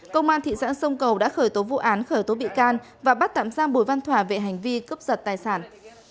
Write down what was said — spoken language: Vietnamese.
công an thị xã sông cầu đã khởi tố vụ án khởi tố bị can và bắt tạm giam bùi văn thỏa về hành vi cướp giật tài sản